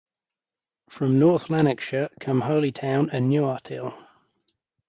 From North Lanarkshire come Holytown and Newarthill.